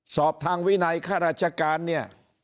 สอบทางวินัยข้าราชการเนี่ย